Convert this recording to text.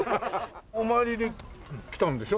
お参りに来たんでしょ？